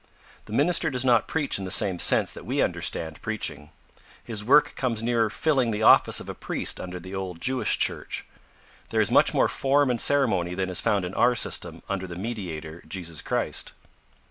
The minister does not preach in the same sense that we understand preaching. His work comes nearer filling the office of a priest under the old Jewish church. There is much more form and ceremony than is found in our system under the Mediator, Jesus Christ.